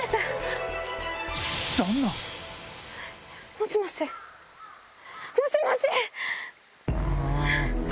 もしもし？もしもし！